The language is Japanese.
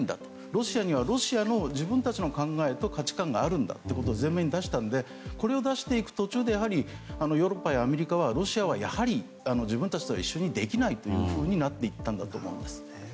ロシアにはロシアの自分たちの考えと価値観があるんだということを前面に出したのでこれを出していく途中でヨーロッパやアメリカはロシアはやはり自分たちと一緒にはできないというふうになっていったんだと思います。